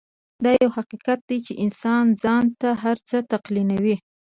دا يو حقيقت دی چې انسان ځان ته هر څه تلقينوي.